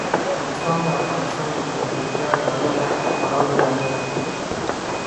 نورستان په افغانستان کې د زرغونتیا یوه خورا لویه نښه ده.